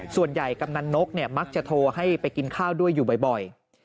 กำนันนกมักจะโทรให้ไปกินข้าวด้วยอยู่บ่อย